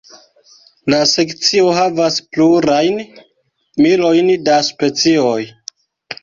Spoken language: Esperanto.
La sekcio havas plurajn milojn da specioj.